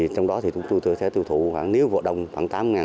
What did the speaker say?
trong đó thì chúng tôi sẽ tiêu thụ khoảng nếu vợ đồng khoảng tám ngàn